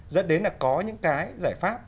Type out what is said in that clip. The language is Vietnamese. rất đến là có những cái giải pháp